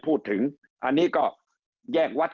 โปรดติดตามต่อไป